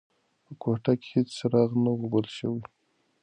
په کوټه کې هیڅ څراغ نه و بل شوی.